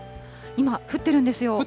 今、降ってるんですよ。